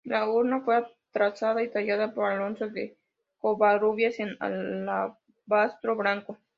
La urna fue trazada y tallada por Alonso de Covarrubias en alabastro blanco.